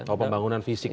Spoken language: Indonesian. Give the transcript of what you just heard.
oh pembangunan fisik ya